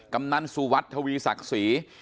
กำนันสุวัสดิทวีศักดิ์ศรี